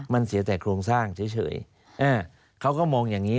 มันเสียแต่โครงสร้างเฉยเขาก็มองอย่างนี้